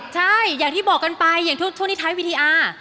ใช่อย่างที่บอกกันไปอย่างช่วงที่ท้ายวิธีอาร์